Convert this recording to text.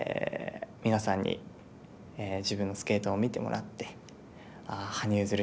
皆さんに自分のスケートを見てもらってああ羽生結弦